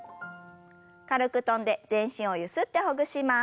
軽く跳んで全身をゆすってほぐします。